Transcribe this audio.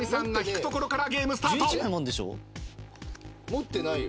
持ってないよ。